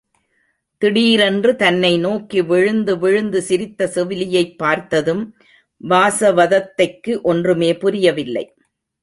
திடீரென்று தன்னை நோக்கி விழுந்து விழுந்து சிரித்த செவிலியைப் பார்த்ததும் வாசவதத்தைக்கு ஒன்றுமே புரியவில்லை.